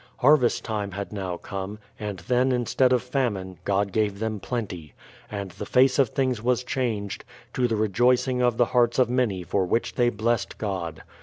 Harvest time had now come, and then instead of famine, God gave them plenty, and the face of things was changed, to the rejoicing of the hearts of many for which they blessed God.